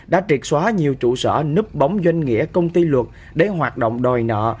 đã triệt xóa nhiều trụ sở núp bóng doanh nghĩa công ty luật để hoạt động đòi nợ